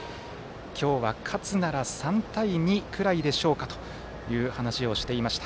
今日は、勝つなら３対２ぐらいでしょうかという話をしていました。